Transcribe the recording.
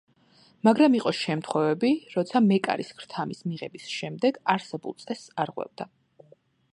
მაგრამ იყო შემთხვევები, როცა მეკარის ქრთამის მიღების შემდეგ არსებულ წესს არღვევდა.